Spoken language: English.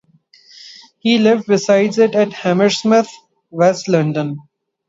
He lived beside it at Hammersmith, West London.